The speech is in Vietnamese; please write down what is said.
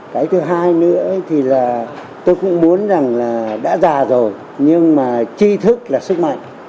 cái thứ hai nữa tôi cũng muốn rằng là đã già rồi nhưng mà chi thức là sức mạnh